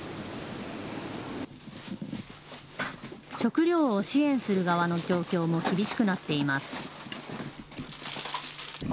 食料を支援する側の状況も厳しくなっています。